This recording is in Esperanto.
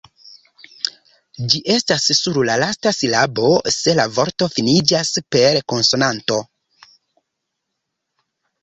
Ĝi estas sur la lasta silabo, se la vorto finiĝas per konsonanto.